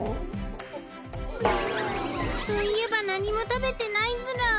そういえば何も食べてないズラ。